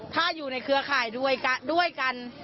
ถ้าอยู่ในเครือข่ายด้วยกัน